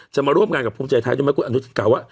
จะมาร่วมงานกับภูมิใจไทยด้วยมะกุลอนุชินเก่าอะ